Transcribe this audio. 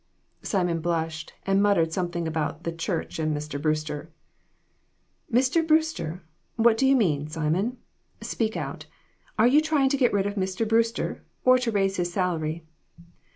Simon blushed, and muttered something about the church and Mr. Brewster. " Mr. Brewster ! What do you mean, Simon ? Speak out. Are you trying to get rid of Mr. Brewster, or to raise his salary